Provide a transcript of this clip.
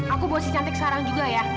aku bawa si cantik sekarang juga ya